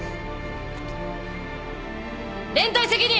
連帯責任！